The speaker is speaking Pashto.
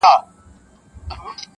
پر مخ لاسونه په دوعا مات کړي,